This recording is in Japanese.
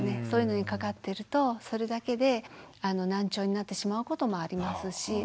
そういうのにかかってるとそれだけで難聴になってしまうこともありますし。